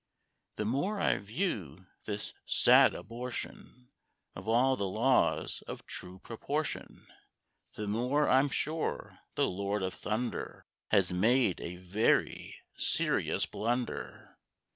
The more I view this sad abortion Of all the laws of true proportion, The more I'm sure the Lord of Thunder Has made a very serious blunder."